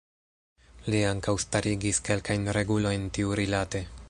Li ankaŭ starigis kelkajn regulojn tiurilate.